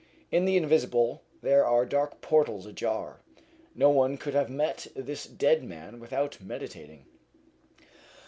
In the invisible there are dark portals ajar. No one could have met this dead man without meditating.